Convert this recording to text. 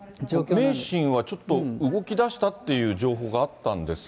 名神はちょっと動きだしたっていう情報があったんですが。